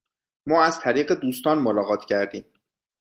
ما از طریق دوستان ملاقات کردیم.